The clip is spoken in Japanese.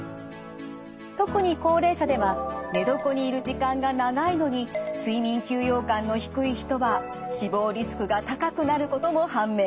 特に高齢者では寝床にいる時間が長いのに睡眠休養感の低い人は死亡リスクが高くなることも判明。